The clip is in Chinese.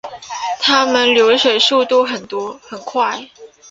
它们的游水速度很快。